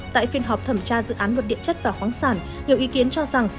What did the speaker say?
tại phiên họp thẩm tra dự án luật địa chất và khoáng sản nhiều ý kiến cho rằng